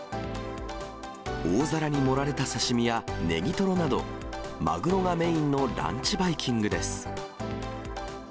大皿に盛られた刺身やネギトロなど、マグロがメインのランチバイキングです。